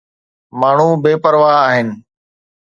ماڻهو بي پرواهه آهن.